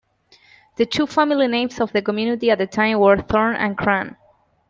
The two family names of the community at the time were Thorne and Crann.